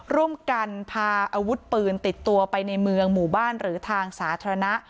ร่วมกันพาอาวุธปืนติดตัวไปในเมืองหมู่บ้านหรือทางสาธารณะ